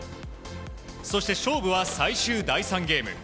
そして勝負は最終第３ゲーム。